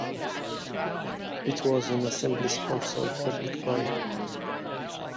It was an Assembly Sponsored Public Body.